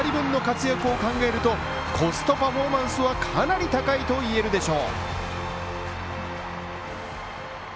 ２人分の活躍を考えるとコストパフォーマンスはかなり高いといえるでしょう。